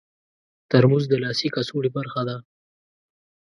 ترموز د لاسي کڅوړې برخه ده.